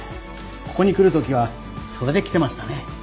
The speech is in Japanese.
ここに来る時はそれで来てましたね。